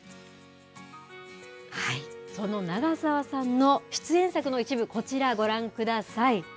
はい、その長澤さんの出演作の一部こちらご覧ください。